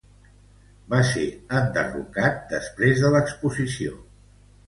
Va ser enderrocat després de l'exposició.